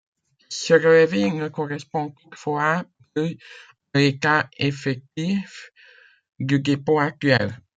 Ce relevé ne correspond toutefois plus à l'état effectif du dépôt actuel.